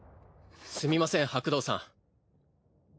すみません白道さん。